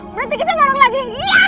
berarti kita bareng lagi